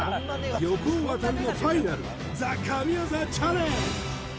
横尾渉のファイナルＴＨＥ神業チャレンジ